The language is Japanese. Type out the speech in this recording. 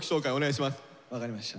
分かりました。